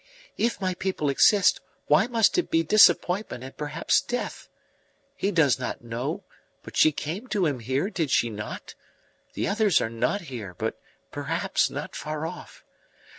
"If my people exist, why must it be disappointment and perhaps death? He does not know; but she came to him here did she not? The others are not here, but perhaps not far off.